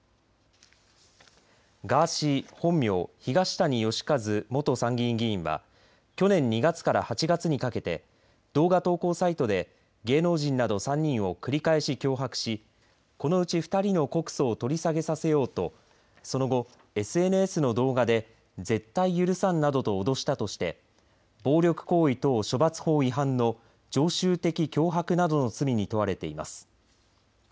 ガーシー本名東谷義和元参議院議員は去年２月から８月にかけて動画投稿サイトで芸能人など３人を繰り返し脅迫しこのうち２人の告訴を取り下げさせようとその後、ＳＮＳの動画で絶対許さんなどと脅したとして暴力行為等処罰法違反の常習的脅迫などの罪に問われています。